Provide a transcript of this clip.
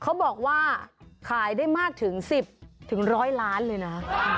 เขาบอกว่าขายได้มากถึง๑๐๑๐๐ล้านเลยนะ